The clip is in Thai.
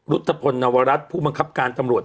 พุทธพลนวรัฐผู้บังคับการตำรวจ